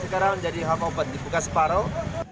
sekarang jadi hampa buat dibuka separuh